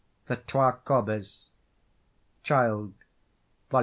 THE TWA CORBIES (Child, vol.